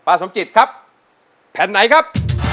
สมจิตครับแผ่นไหนครับ